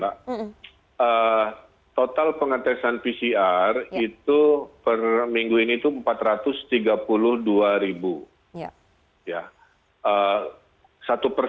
mbak total pengetesan pcr itu per minggu ini empat ratus tiga puluh dua ribu